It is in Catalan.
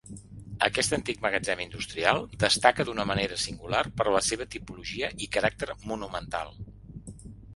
Aquest antic magatzem industrial destaca d'una manera singular per la seva tipologia i caràcter monumental.